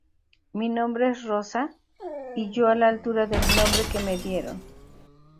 Mi nombre es Rosa y yo a la altura del nombre que me dieron.